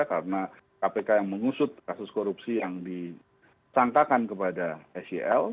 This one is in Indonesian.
karena kpk yang mengusut kasus korupsi yang disangkakan kepada sel